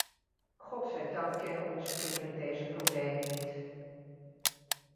Godzijdank kennen onze kinderen deze problemen niet.